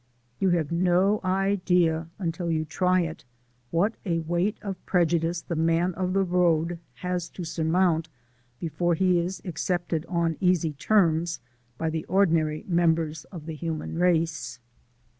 (You have no idea, until you try it, what a weight of prejudice the man of the road has to surmount before he is accepted on easy terms by the ordinary members of the human race.)